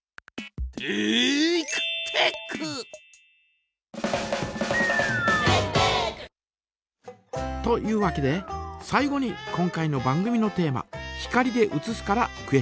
「テイクテック」！というわけで最後に今回の番組のテーマ「光で写す」からクエスチョン。